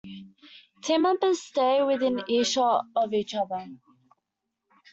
Team members stay within earshot of each other.